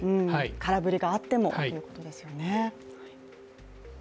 空振りがあってもということですよね。